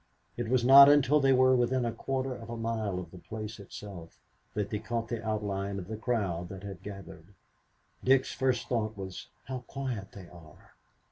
It was not until they were within a quarter of a mile of the place itself that they caught the outline of the crowd that had gathered. Dick's first thought was, "How quiet they are!"